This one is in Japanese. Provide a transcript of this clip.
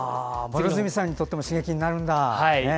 両角さんにとっても刺激になるんだ。